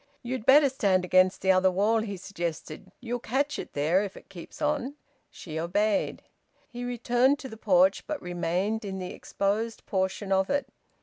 "You'd better stand against the other wall," he suggested. "You'll catch it there, if it keeps on." She obeyed. He returned to the porch, but remained in the exposed portion of it.